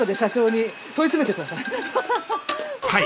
はい。